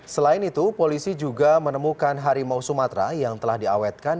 selain itu polisi juga menemukan harimau sumatera yang telah diawetkan